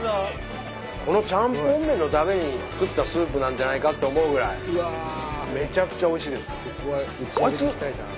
このチャンポン麺のために作ったスープなんじゃないかって思うぐらいめちゃくちゃおいしいです。